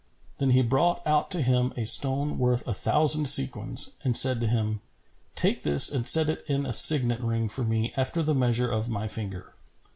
Then he brought out to him a stone worth a thousand sequins and said to him, "Take this and set it in a signet ring for me after the measure of my finger."